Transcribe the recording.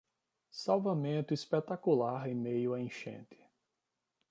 Salvamento espetacular em meio à enchente